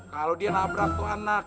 kalau dia nabrak tuh anak